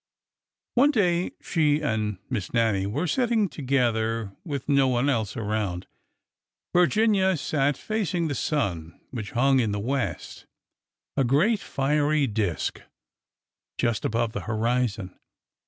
One day she and Miss Nannie were sitting together, with no one else around. Virginia sat facing the sun, which hung in the west, a great fiery disk, just above the horizon.